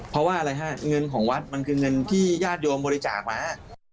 เพราะว่าอะไรฮะเงินของวัดมันคือเงินที่ญาติโยมบริจาคมา